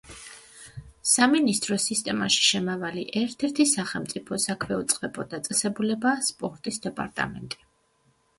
სამინისტროს სისტემაში შემავალი ერთ-ერთი სახელმწიფო საქვეუწყებო დაწესებულებაა სპორტის დეპარტამენტი.